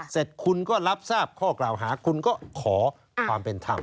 เสร็จคุณก็รับทราบข้อกล่าวหาคุณก็ขอความเป็นธรรม